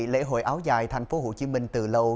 lễ hội áo dài tp hcm từ lâu